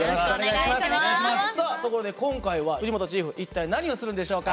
さあところで今回は藤本チーフ一体何をするんでしょうか？